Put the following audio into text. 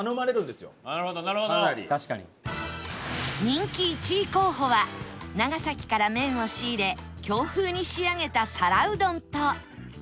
人気１位候補は長崎から麺を仕入れ京風に仕上げた皿うどんと